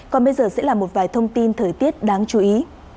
còn bây giờ sẽ là một vài thông tin thời tiết đáng chú ý